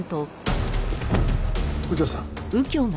右京さん？